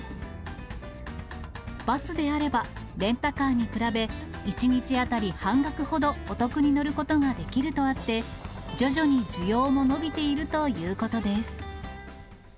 バスであれば、レンタカーに比べ、１日当たり半額ほどお得に乗ることができるとあって、徐々に需要も伸びているということです。